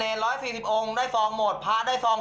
เป็นไปได้อะไหม